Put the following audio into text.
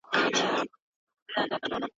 په دې منځ کي د منځنۍ خبري والا اصلاً نه ځاییږي.